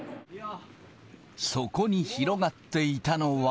そこに広がっていたのは。